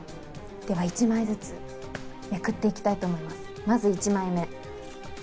では１枚ずつ、めくってきたいと思います、まず１枚目。